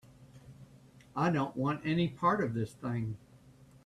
I don't want any part of this thing.